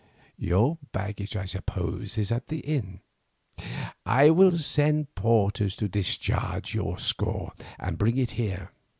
Your baggage I suppose is at the inn. I will send porters to discharge your score and bring it here.